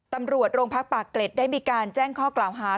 ตำรวจโรงพักปากเกร็ดได้มีการแจ้งข้อกล่าวหา